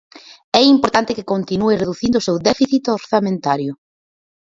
É importante que continúe reducindo o seu déficit orzamentario.